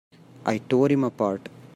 I tore him apart!